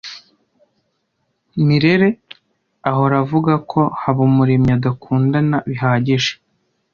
Mirelle ahora avuga ko Habumuremyi adakundana bihagije.